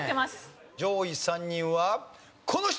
上位３人はこの人！